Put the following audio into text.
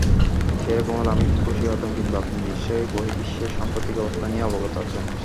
সেরকম হলে আমি খুশিই হতাম কিন্তু আপনি নিশ্চয়ই বহির্বিশ্বের সাম্প্রতিক অবস্থা নিয়ে অবগত আছেন?